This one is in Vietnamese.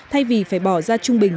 thay vì phải bỏ ra trung bình